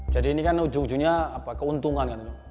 jadi ini kan ujung ujungnya keuntungan